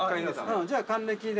じゃあ還暦で。